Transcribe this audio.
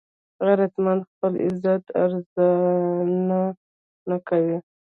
غیرتمند خپل عزت ارزانه نه ورکوي